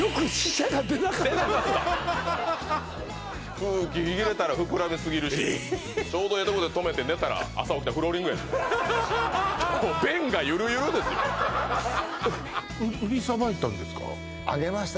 空気入れたら膨らみすぎるしちょうどええとこで止めて寝たら朝起きたらフローリングやしあげました